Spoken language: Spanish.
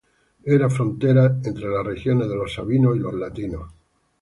Era frontera entre las regiones de los sabinos y latinos.